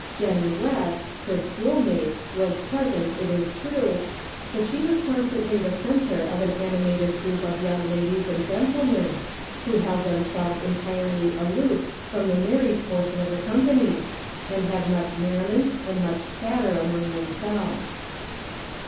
Jennie West, her schoolmate, was present it is true, but she was constantly the centre of an animated group of young ladies and gentlemen who held themselves en tirely aloof from the married portion of the company, and had much merriment and much chatter among themselves.